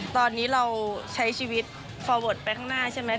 ตอนนี้เราใช้ชีวิตฟอร์เวิร์ดไปข้างหน้าใช่ไหม